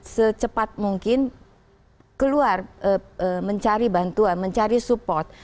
secepat mungkin keluar mencari bantuan mencari support